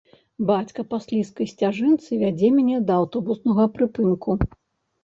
Бацька па слізкай сцяжынцы вядзе мяне да аўтобуснага прыпынку.